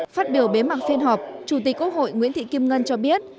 phát biểu bế mạc phiên họp chủ tịch quốc hội nguyễn thị kim ngân cho biết